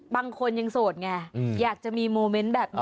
บางคนยังโสดไงอยากจะมีโมเมนต์แบบนี้